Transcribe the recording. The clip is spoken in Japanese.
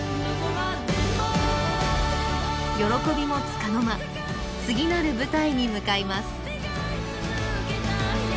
喜びもつかの間次なる舞台に向かいます。